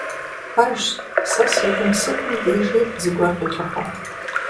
Пэжщ, сэ си гум сытым дежи зыгуэр къелъыхъуэ!